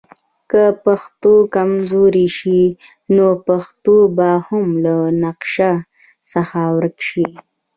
که پښتو کمزورې شي نو پښتون به هم له نقشه څخه ورک شي.